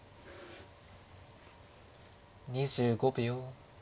２５秒。